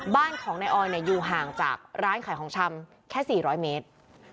บ้านของนายออยอยู่ห่างจากร้านขายของชำแค่๔๐๐เมตร